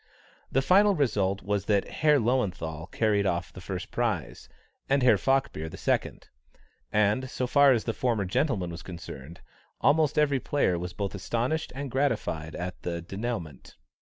The final result was that Herr Löwenthal carried off the first prize, and Herr Falkbeer the second; and, so far as the former gentleman was concerned, almost every player was both astonished and gratified at the dénouement.